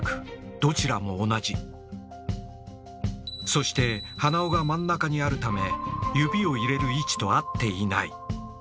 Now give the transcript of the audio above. そして鼻緒が真ん中にあるため指を入れる位置と合っていない。